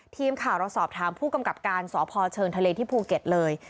ทีมข่าวเราสอบถามผู้กำกับการสพเชิงทะเลที่ภูเก็ตเลย